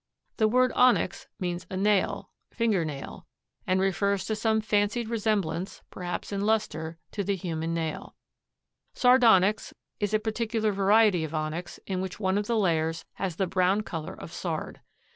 The word onyx means a nail (finger nail) and refers to some fancied resemblance, perhaps in luster, to the human nail. Sardonyx is a particular variety of onyx in which one of the layers has the brown color of sard.